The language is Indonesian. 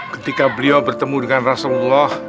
ketika beliau bertemu dengan rasulullah